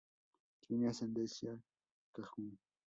Tiene ascendencia cajún.